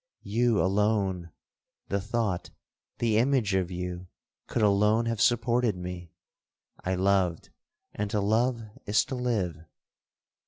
—you alone!—the thought—the image of you, could alone have supported me! I loved, and to love is to live.